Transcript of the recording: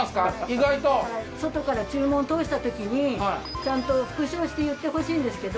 外から注文通した時にちゃんと復唱して言ってほしいんですけど。